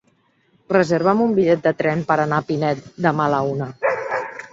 Reserva'm un bitllet de tren per anar a Pinet demà a la una.